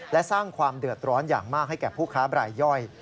และสร้างความเดือดร้อนอย่างมากให้แก่ผู้ค้าบรายย่อย